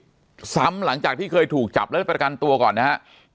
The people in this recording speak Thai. แล้วเรื่องของการกระทำผิดซ้ำหลังจากที่เคยถูกจับและประกันตัวก่อนนะครับ